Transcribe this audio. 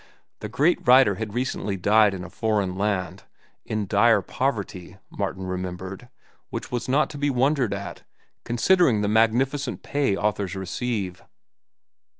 The great writer had recently died in a foreign land—in dire poverty, Martin remembered, which was not to be wondered at, considering the magnificent pay authors receive.